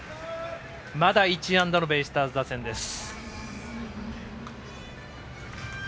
まだ１安打のベイスターズ打線です。